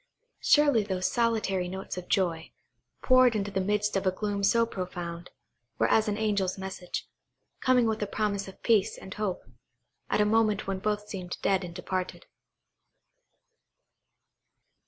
Surely those solitary notes of joy, poured into the midst of a gloom so profound, were as an angel's message, coming with a promise of peace and hope, at a moment when both seemed dead and departed.